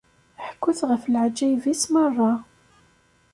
Ḥkut ɣef leɛǧayeb-is merra!